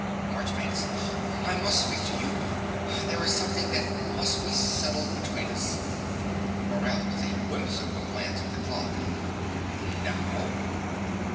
MARCHBANKS. I must speak to you. There is something that must be settled between us. MORELL (with a whimsical glance at the clock). Now?